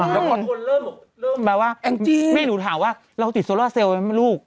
แล้วพอทนเริ่มแปลว่าแม่หนูถามว่าเราติดโซล่าเซลล์ไหมลูก